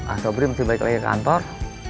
a'abrey masih balik lagi ke kantor